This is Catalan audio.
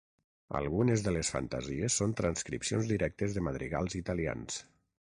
Algunes de les fantasies són transcripcions directes de madrigals italians.